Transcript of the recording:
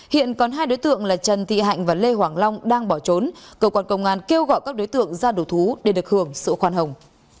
hiện còn hai đối tượng là trần thị hạnh và lê hoàng long đang bỏ trốn cơ quan công an kêu gọi các đối tượng ra đổ thú để được hưởng sự khoan hồng